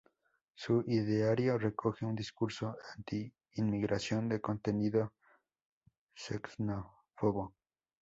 Su ideario recoge un discurso anti-inmigración de contenido xenófobo.